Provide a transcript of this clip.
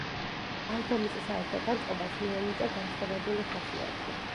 ალბომის საერთო განწყობას მიენიჭა განსხვავებული ხასიათი.